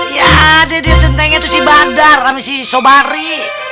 ya dia dia centengnya tuh si badar sama si sobari